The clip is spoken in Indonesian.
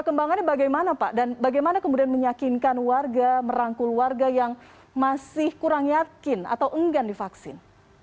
kembangannya bagaimana pak dan bagaimana kemudian menyakinkan warga merangkul warga yang masih kurang yakin atau enggan divaksin